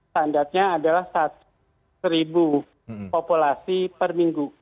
standarnya adalah satu populasi per minggu